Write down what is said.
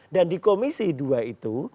dan di komisi dua itu